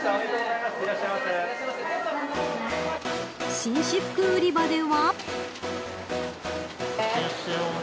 紳士服売り場では。